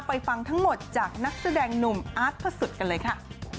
ฟังทั้งหมดจากนักแสดงหนุ่มอาร์ตพระสุทธิ์กันเลยค่ะ